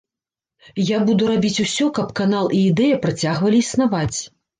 Я буду рабіць усё, каб канал і ідэя працягвалі існаваць.